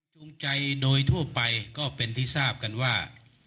จงใจโดยทั่วไปก็เป็นที่ทราบกันว่า